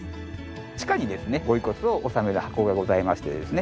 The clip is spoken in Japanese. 地下にですねご遺骨を納める箱がございましてですね